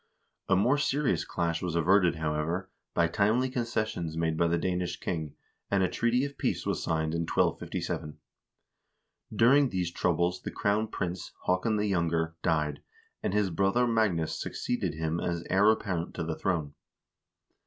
A more serious clash was averted, however, by timely concessions made by the Danish king, and a treaty of peace was signed in 1257. During these troubles the crown prince, Haakon the Younger,1 died, and his brother Magnus succeeded him as heir apparent to the throne.